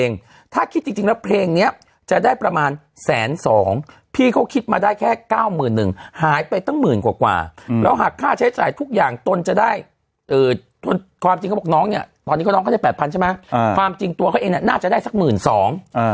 ความจริงเขาบอกน้องเนี้ยตอนนี้เขาน้องเขาได้แปดพันใช่ไหมอ่าความจริงตัวเขาเองน่าจะได้สักหมื่นสองอ่า